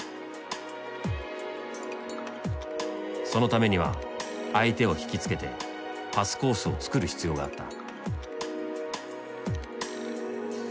そのためには相手を引き付けてパスコースを作る必要があった。